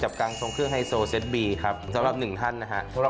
การทรงเครื่องไฮโซเซ็ตบีครับสำหรับหนึ่งท่านนะฮะ